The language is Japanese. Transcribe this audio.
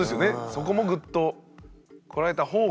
そこもグッとこらえた方が。